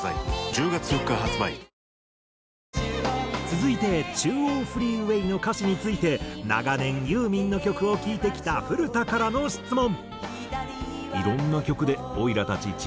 続いて『中央フリーウェイ』の歌詞について長年ユーミンの曲を聴いてきた古田からの質問。